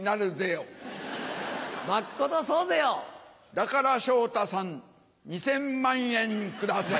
だから昇太さん２０００万円ください。